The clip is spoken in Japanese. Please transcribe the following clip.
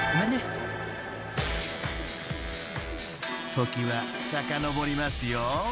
［時はさかのぼりますよ］